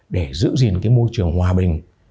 để giữ gìn cái môi trường hòa bình